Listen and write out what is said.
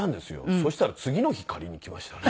そしたら次の日借りにきましたね。